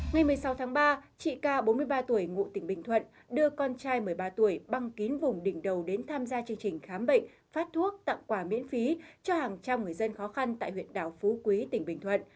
ngày một mươi sáu tháng ba chị k bốn mươi ba tuổi ngụ tỉnh bình thuận đưa con trai một mươi ba tuổi băng kín vùng đỉnh đầu đến tham gia chương trình khám bệnh phát thuốc tặng quà miễn phí cho hàng trăm người dân khó khăn tại huyện đảo phú quý tỉnh bình thuận